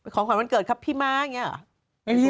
ของขวัญวันเกิดครับพี่ม้าอย่างนี้เหรอ